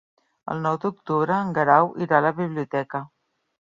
El nou d'octubre en Guerau irà a la biblioteca.